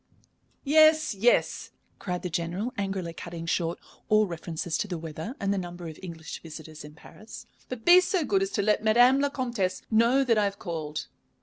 "Yes, yes," cried the General, angrily cutting short all references to the weather and the number of English visitors in Paris. "But be so good as to let Madame la Comtesse know that I have called."